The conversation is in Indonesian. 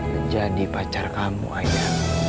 menjadi pacar kamu aja